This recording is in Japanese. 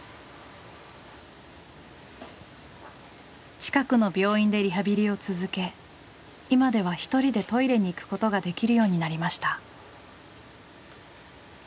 近くの病院でリハビリを続け今では一人でトイレに行くことができるようになりました。